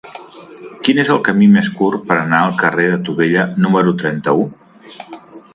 Quin és el camí més curt per anar al carrer de Tubella número trenta-u?